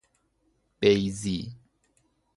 بیضی